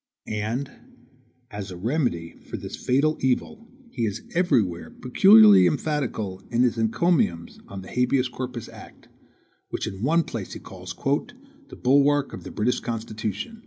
And as a remedy for this fatal evil he is everywhere peculiarly emphatical in his encomiums on the habeas corpus act, which in one place he calls "the BULWARK of the British Constitution."